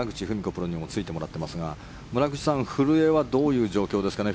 プロにもついてもらっていますが村口さん古江はどういう状況ですかね